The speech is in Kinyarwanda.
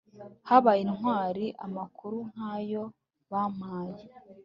bahaye ntwali amakuru nkayo bampaye